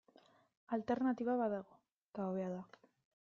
Alternatiba badago, eta hobea da.